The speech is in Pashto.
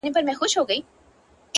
ستا هم د پزي په افسر كي جـادو ـ